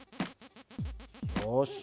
よし。